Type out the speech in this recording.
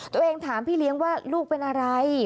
ตัวเองถามพี่เลี้ยงว่าลูกเป็นอะไร